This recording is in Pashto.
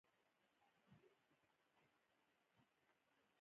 افغانستان د چرګانو د ترویج لپاره پروګرامونه لري.